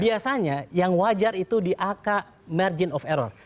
biasanya yang wajar itu di ak margin of error